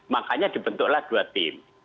makanya dibentuklah dua tim